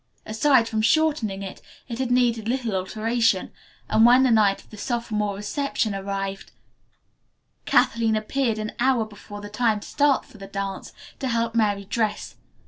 Aside from shortening it, it had needed little alteration, and when the night of the sophomore reception arrived, Kathleen appeared, an hour before the time to start for the dance, to help Mary dress.